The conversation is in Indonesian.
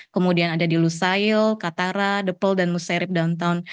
kemudian ada di lusail katara depol dan musairib downtown